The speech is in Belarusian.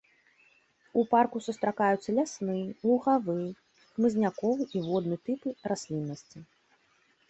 У парку сустракаюцца лясны, лугавы, хмызняковы і водны тыпы расліннасці.